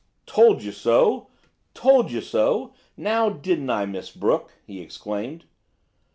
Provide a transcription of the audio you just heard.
"Told you so! told you so! Now, didn't I, Miss Brooke?" he exclaimed.